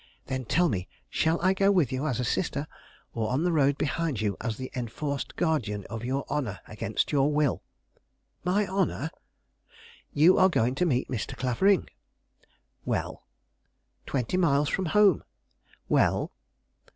Then tell me, shall I go with you, as a sister, or on the road behind you as the enforced guardian of your honor against your will?" "My honor?" "You are going to meet Mr. Clavering." "Well?" "Twenty miles from home." "Well?"